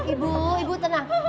ibu ibu tenang